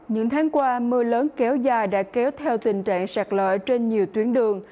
những tháng qua mưa lớn kéo dài đã kéo theo tình trạng sạt lỡ trên nhiều tuyến đường